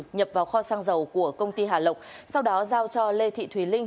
nhập vào kho xăng dầu của công ty hà lộc sau đó giao cho lê thị thùy linh